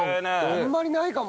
あんまりないかも。